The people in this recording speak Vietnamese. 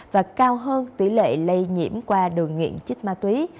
và cao hơn tỷ lệ lây nhiễm qua đường nghiện chích ma túy